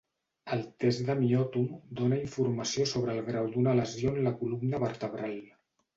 El test de miòtom dóna informació sobre el grau d’una lesió en la columna vertebral.